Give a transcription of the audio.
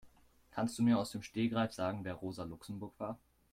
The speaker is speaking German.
Kannst du mir aus dem Stegreif sagen, wer Rosa Luxemburg war?